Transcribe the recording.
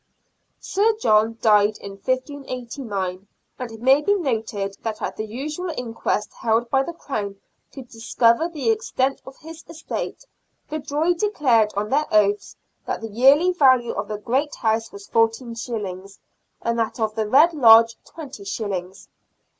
Sir John died in 1589, and it may be noted that at the usual inquest held by the Crown to discover the extent of his estates the jury declared on their oaths that the yearly value of the Great House was 40s., and that of the Red Lodge 20s.